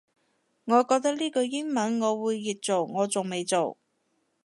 我覺得呢句英文我會譯做我仲未做